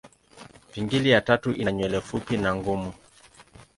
Pingili ya tatu ina nywele fupi na ngumu.